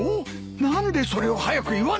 何でそれを早く言わんのだ。